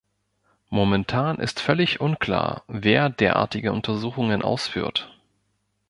Momentan ist völlig unklar, wer derartige Untersuchungen ausführt.